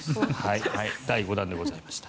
第５弾でございました。